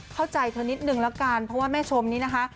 เข้าใจเธอนิดนึงแล้วกันเพราะว่าแม่ชมนี้นะคะ